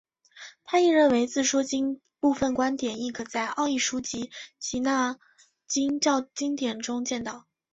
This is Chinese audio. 他亦认为自说经部份观点亦可在奥义书及耆那教经典中见到。